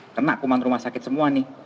kena kuman rumah sakit semua nih